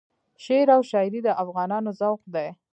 شعر او شایري د افغانانو ذوق دی.